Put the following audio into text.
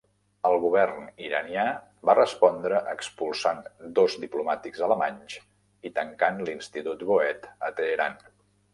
El govern iranià va respondre expulsant dos diplomàtics alemanys i tancant l'Institut Goethe a Teheran.